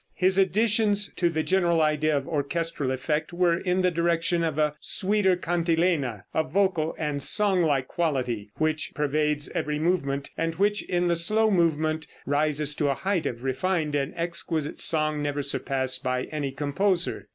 His additions to the general ideal of orchestral effect were in the direction of a sweeter cantilena, a vocal and song like quality, which pervades every movement, and which in the slow movement rises to a height of refined and exquisite song never surpassed by any composer.